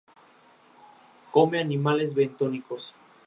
El actual titular es don Ignacio María de Olazábal y Elorz.